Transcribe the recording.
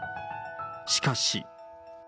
しかし。